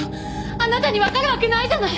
あなたにわかるわけないじゃない！